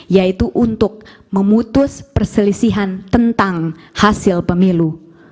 yaitu untuk memutus perselisihan tentang hasil pemilu